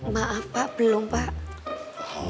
maaf pak belum pak